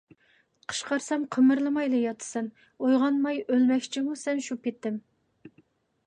قىچقارسام قىمىرلىمايلا ياتىسەن، ئويغانماي ئۆلمەكچىمۇ سەن شۇ پېتىڭ؟!